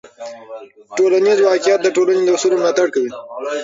ټولنیز واقیعت د ټولنې د اصولو ملاتړ کوي.